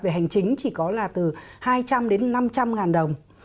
về hành chính chỉ có là từ hai trăm linh đến năm trăm linh ngàn đồng